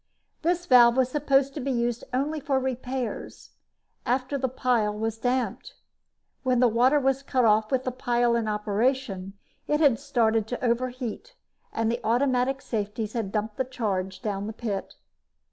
This valve was supposed to be used only for repairs, after the pile was damped. When the water was cut off with the pile in operation, it had started to overheat and the automatic safeties had dumped the charge down the pit.